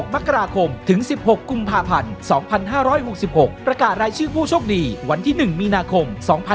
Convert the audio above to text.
มีนาคม๒๕๖๖